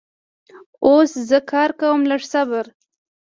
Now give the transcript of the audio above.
اوس زه کار کوم لږ صبر